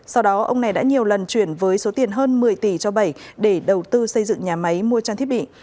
sau đó ông này đã nhiều lần chuyển với số tiền hơn một mươi tỷ cho bảy để đầu tư xây dựng nhà máy mua trang thiết bị